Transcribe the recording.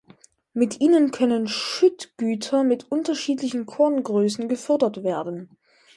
Mit ihnen können Schüttgüter mit unterschiedlichen Korngrößen gefördert werden.